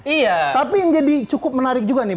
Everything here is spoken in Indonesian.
iya tapi yang jadi cukup menarik juga nih